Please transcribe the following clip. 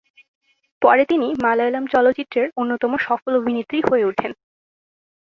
পরে তিনি মালয়ালম চলচ্চিত্রের অন্যতম সফল অভিনেত্রী হয়ে ওঠেন।